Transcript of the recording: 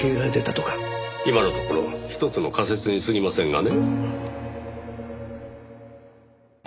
今のところひとつの仮説にすぎませんがね。